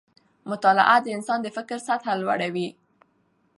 مطالعه د انسان د فکر سطحه لوړه وي